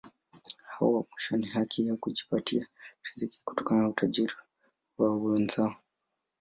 Hao wa mwisho ni haki yao kujipatia riziki kutoka utajiri wa wenzao.